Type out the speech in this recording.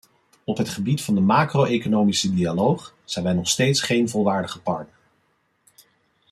Op het gebied van de macro-economische dialoog zijn wij nog steeds geen volwaardige partner.